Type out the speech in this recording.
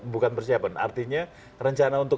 bukan persiapan artinya rencana untuk